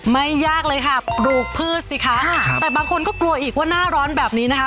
ไม่ยากเลยค่ะปลูกพืชสิคะแต่บางคนก็กลัวอีกว่าหน้าร้อนแบบนี้นะคะ